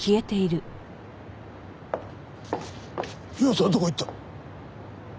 奴はどこへ行った？